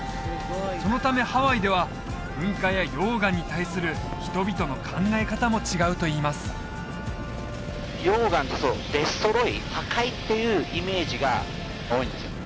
そのためハワイでは噴火や溶岩に対する人々の考え方も違うといいます溶岩ってそうデストロイ破壊っていうイメージが多いんですよ